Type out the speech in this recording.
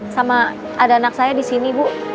sama ada anak saya di sini bu